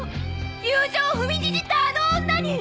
友情を踏みにじったあの女に！！